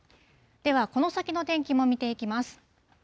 では、この先の天気も見ていきます。